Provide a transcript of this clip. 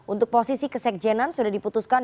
untuk posisi kesekjenan sudah diputuskan